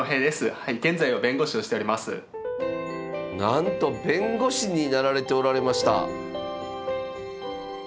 なんと弁護士になられておられました。